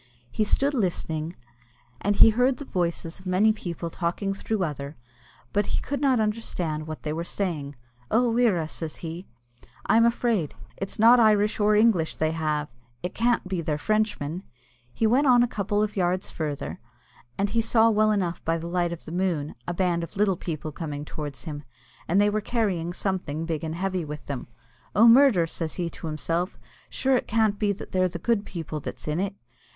He stood listening, and he heard the voices of many people talking through other, but he could not understand what they were saying. "Oh, wirra!" says he, "I'm afraid. It's not Irish or English they have; it can't be they're Frenchmen!" He went on a couple of yards further, and he saw well enough by the light of the moon a band of little people coming towards him, and they were carrying something big and heavy with them. "Oh, murder!" says he to himself, "sure it can't be that they're the good people that's in it!"